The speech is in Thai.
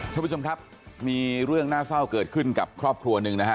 ท่านผู้ชมครับมีเรื่องน่าเศร้าเกิดขึ้นกับครอบครัวหนึ่งนะฮะ